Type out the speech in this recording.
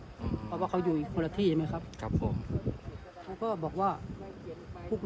เพราะว่าเขาอยู่อีกคนละที่ใช่ไหมครับก็บอกว่าพวกมึงเนี่ยนะผมรู้ว่าพวกมึงอะ